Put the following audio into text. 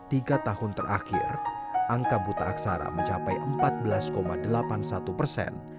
tiga tahun terakhir angka buta aksara mencapai empat belas delapan puluh satu persen